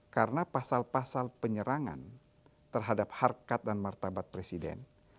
karena pasal pasal penyerangan terhadap harkat dan martabat presiden